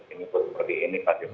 ini seperti ini pak